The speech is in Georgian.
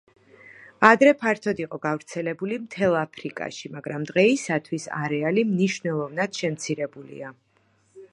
ადრე ფართოდ იყო გავრცელებული მთელ აფრიკაში, მაგრამ დღეისათვის არეალი მნიშვნელოვნად შემცირებულია.